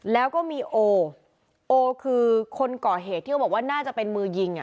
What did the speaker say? แล้วก็มีโอโอคือคนก่อเหตุที่เขาบอกว่าน่าจะเป็นมือยิงอ่ะ